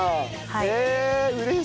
はい。